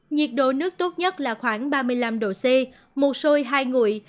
nhiệt độ nước tốt nhất là khoảng ba mươi năm độ c một sôi hai ngụy